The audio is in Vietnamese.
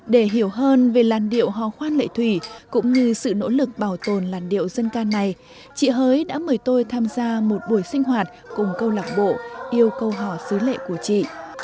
để hiểu hơn về làn điệu hò khoa lệ thủy cũng như sự nỗ lực bảo tồn làn điệu dân can này chị hới đã mời tôi tham gia một buổi sinh hoạt cùng câu lạc bộ yêu câu hò xứ lệ của chị